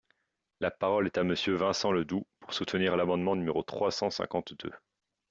La parole est à Monsieur Vincent Ledoux, pour soutenir l’amendement numéro trois cent cinquante-deux.